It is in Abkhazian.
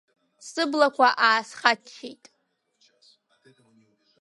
Сыблақәа аасхаччеит.